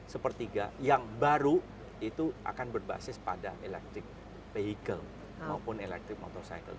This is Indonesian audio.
sepertiga yang baru itu akan berbasis pada electric vehicle maupun electric motorcycle